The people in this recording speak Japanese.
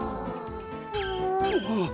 ああ。